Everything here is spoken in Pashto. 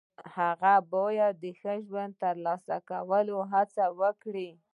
هغه باید د ښه ژوند د ترلاسه کولو هڅه وکړي.